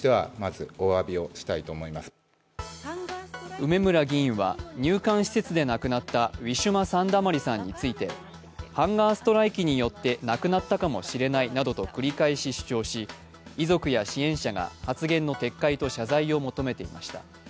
梅村議員は入管施設でなくなったウィシュマ・サンダマリさんについてハンガーストライキによって亡くなったかもしれないなど繰り返し主張し、遺族や支援者が発言の撤回と謝罪を求めていました。